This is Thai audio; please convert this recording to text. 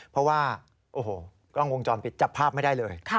เพราะว่าโอ้โหกล้องวงจรปิดจับภาพไม่ได้เลย